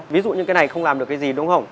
ví dụ như cái này không làm được cái gì đúng không